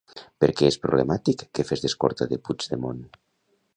Per què és problemàtic que fes d'escorta de Puigdemont?